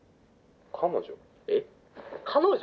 「彼女」